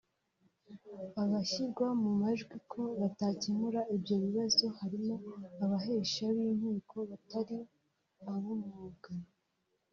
Abashyirwa mu majwi ko batakemuye ibyo bibazo harimo abahesha b’inkiko batari ab’umwuga